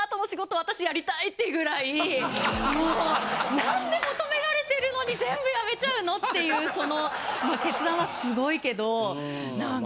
っていうぐらい何で求められてるのに全部やめちゃうの？っていうその決断はすごいけどなんか。